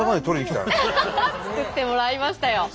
作ってもらいましたよ。